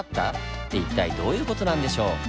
って一体どういう事なんでしょう？